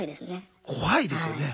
怖いですね。